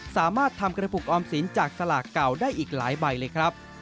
สามารถทำกระปุกออมสินจากสลากเก่าได้อีกหลายใบเลยครับ